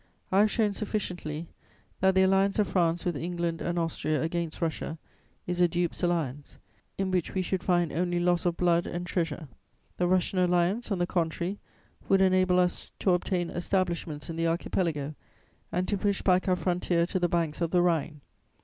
"I have shown sufficiently that the alliance of France with England and Austria against Russia is a dupe's alliance, in which we should find only loss of blood and treasure. The Russian Alliance, on the contrary, would enable us to obtain establishments in the Archipelago and to push back our frontier to the banks of the Rhine.